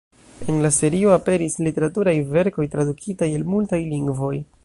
En la serio aperis literaturaj verkoj, tradukitaj el multaj lingvoj.